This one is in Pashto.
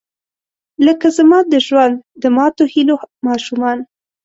لکه زما د ژوند، د ماتوهیلو ماشومان